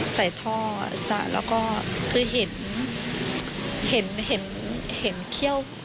ใส่ท่อแล้วก็คือเห็นเขี้ยวตรงคอ